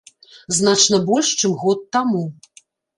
Значна больш, чым год таму.